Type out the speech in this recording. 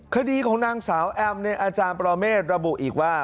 คดีของนางสาวแอมอาจารย์ปรเมฆระบุอีกว่า